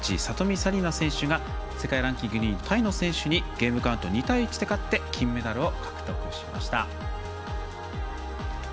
紗李奈選手が世界ランキング２位タイの選手にゲームカウント２対１で勝って金メダルを獲得しました。